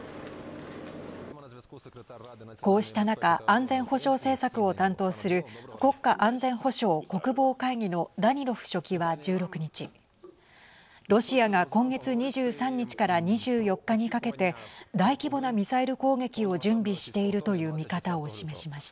こうした中安全保障政策を担当する国家安全保障・国防会議のダニロフ書記は１６日ロシアが今月２３日から２４日にかけて大規模なミサイル攻撃を準備しているという見方を示しました。